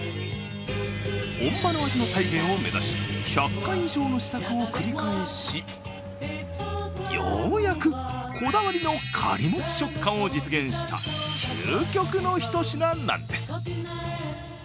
本場の味の再現を目指し１００回以上の試作を繰り返しようやく、こだわりのカリモチ食感を実現した究極のひと品なんです。